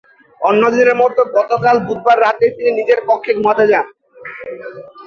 অন্য দিনের মতো গতকাল বুধবার রাতে তিনি নিজের কক্ষে ঘুমাতে যান।